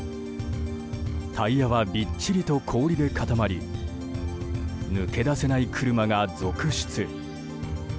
タイヤはびっちりと氷で固まり抜け出せない車が続出。